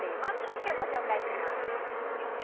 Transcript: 一挙にご紹介します。